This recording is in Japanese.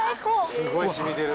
すごいしみてる。